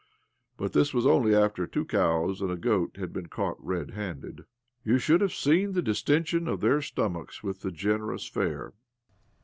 But this was only after two cows and a goat had been caught redhanded. You should have seen the distension of their stomachs with the generous fare